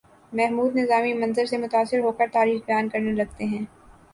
محمود نظامی منظر سے متاثر ہو کر تاریخ بیان کرنے لگتے ہیں